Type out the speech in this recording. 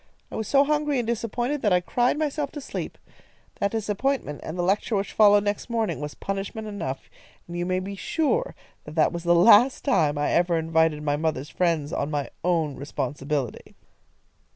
I was so hungry and disappointed that I cried myself to sleep. That disappointment and the lecture which followed next morning was punishment enough, and you may be sure that that was the last time I ever invited my mother's friends on my own responsibility."